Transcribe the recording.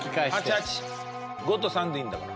８！８！５と３でいいんだから。